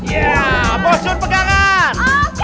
ya posion pegangan